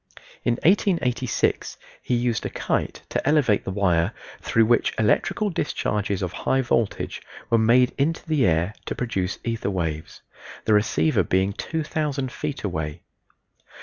In 1886 he used a kite to elevate the wire, through which electrical discharges of high voltage were made into the air to produce ether waves the receiver being 2000 feet away.